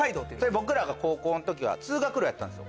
僕らが高校の時は通学路やったんっすよ。